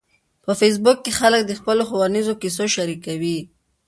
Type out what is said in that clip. په فېسبوک کې خلک د خپلو ښوونیزو کیسو شریکوي